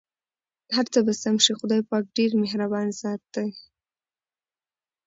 هرڅه به سم شې٬ خدای پاک ډېر مهربان ذات دی.